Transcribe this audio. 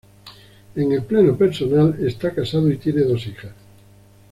En el plano personal está casado y tiene dos hijas.